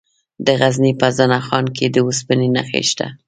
د غزني په زنه خان کې د اوسپنې نښې شته.